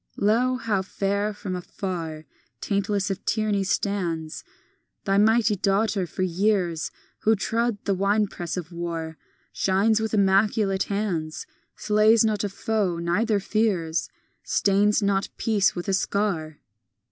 XI Lo, how fair from afar, Taintless of tyranny, stands Thy mighty daughter, for years Who trod the winepress of war; Shines with immaculate hands; Slays not a foe, neither fears; Stains not peace with a scar.